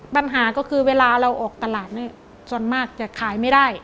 ปัญหาก็คือเวลาเราออกตลาดนี่ส่วนมากจะขายไม่ได้